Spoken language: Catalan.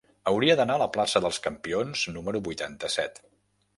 Hauria d'anar a la plaça dels Campions número vuitanta-set.